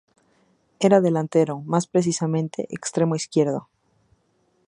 Era delantero, más precisamente, extremo izquierdo.